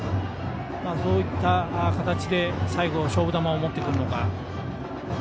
どういう形で最後、勝負球を持ってくるのか。